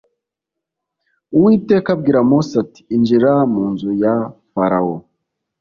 Uwiteka abwira mose ati injira mu nzu ya farawo